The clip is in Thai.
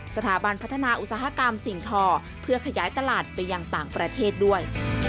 สถาบันพัฒนาอุตสาหกรรมสิ่งทอเพื่อขยายตลาดไปยังต่างประเทศด้วย